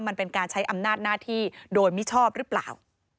มันเป็นการใช้อำนาจหน้าที่โดยมิชอบหรือเปล่า